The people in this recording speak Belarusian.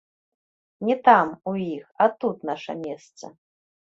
Не там, у іх, а тут наша месца.